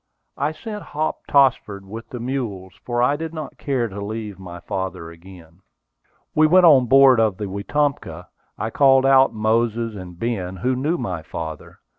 I sent Hop Tossford with the mules, for I did not care to leave my father again. We went on board of the Wetumpka. I called out Moses, and Ben, who knew my father.